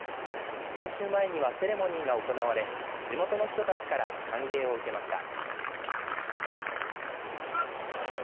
練習前にはセレモニーが行われ地元の人たちから歓迎を受けました。